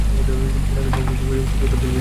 বিনয় কিছু অপ্রতিভ হইয়া কহিল, তবে তো ভুল বুঝেছি।